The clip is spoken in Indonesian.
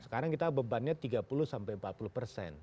sekarang kita bebannya tiga puluh sampai empat puluh persen